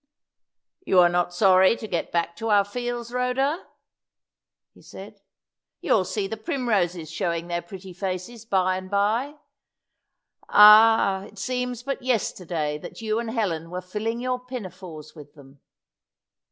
"You are not sorry to get back to our fields, Rhoda?" he said. "You'll see the primroses showing their pretty faces by and by. Ah, it seems but yesterday that you and Helen were filling your pinafores with them!"